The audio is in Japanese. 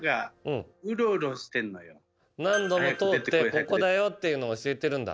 何度も通ってここだよっていうのを教えてるんだ。